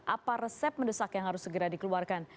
apa resep mendesak yang harus segera dikeluarkan